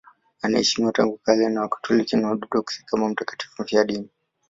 Anaheshimiwa tangu kale na Wakatoliki na Waorthodoksi kama mtakatifu mfiadini.